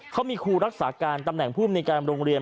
เขามีครูรักษาการตำแหน่งภูมิในการโรงเรียน